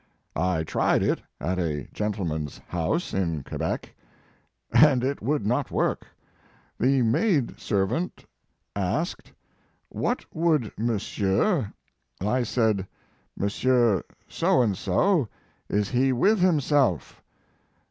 I tried it at a gentleman s house in Quebec, and it would not work. The maid servant asked, "What would mon sieur?" I said, "Monsieur So and So, is he with himself?